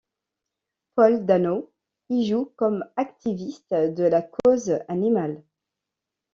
Paul Dano y joue comme activiste de la cause animale.